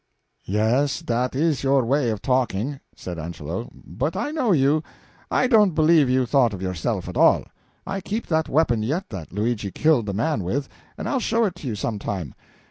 "Yes, that is your way of talking," said Angelo, "but I know you I don't believe you thought of yourself at all. I keep that weapon yet that Luigi killed the man with, and I'll show it to you sometime.